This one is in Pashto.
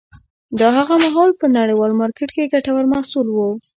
دا هغه مهال په نړیوال مارکېټ کې ګټور محصول و